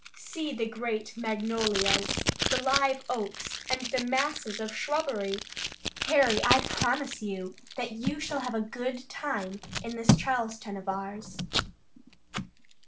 See the great magnolias, the live oaks, and the masses of shrubbery! Harry, I promise you that you shall have a good time in this Charleston of ours."